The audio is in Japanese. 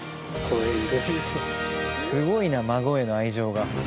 すごいな孫への愛情が。